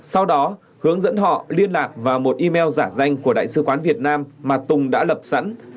sau đó hướng dẫn họ liên lạc vào một email giả danh của đại sứ quán việt nam mà tùng đã lập sẵn